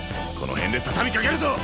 この辺で畳みかけるぞ！